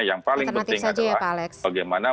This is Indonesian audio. yang paling penting adalah bagaimana